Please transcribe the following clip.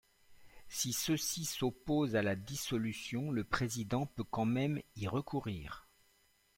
Si ceux-ci s'opposent à la dissolution, le Président peut quand même y recourir.